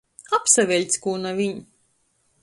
Apsaveļc kū naviņ!